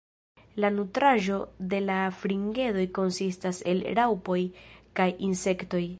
La nutraĵo de la fringedoj konsistas el raŭpoj kaj insektoj.